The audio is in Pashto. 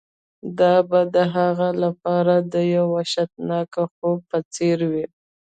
دا به د هغه لپاره د یو وحشتناک خوب په څیر وي